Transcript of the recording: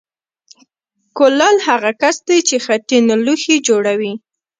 کولال هغه کس دی چې خټین لوښي جوړوي